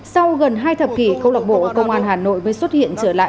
sau gần hai thập kỷ công an hà nội mới xuất hiện trở lại